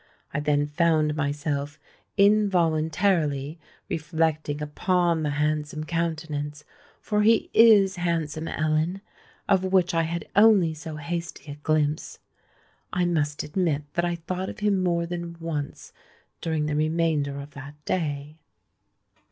I then found myself involuntarily reflecting upon the handsome countenance,—for he is handsome, Ellen,—of which I had only so hasty a glimpse. I must admit that I thought of him more than once during the remainder of that day."